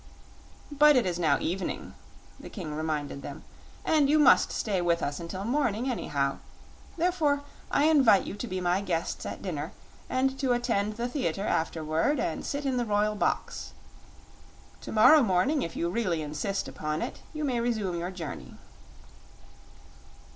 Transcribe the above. "But it is now evening," the King reminded them, "and you must stay with us until morning, anyhow. Therefore, I invite you to be my guests at dinner, and to attend the theater afterward and sit in the royal box. To morrow morning, if you really insist upon it, you may resume your journey."